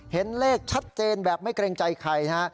เห็นเลขชัดเจนแบบไม่เกรงใจใครนะฮะ